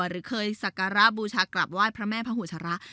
หรือเคยสักการะบูชากลับไหว้พระแม่พระหูชระ